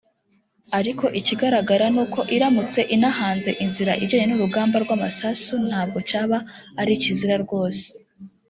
ariko ikigaragara ni uko iramutse inahanze inzira ijyanye n’urugamba rw’amasasu ntabwo cyaba ari ikizira rwose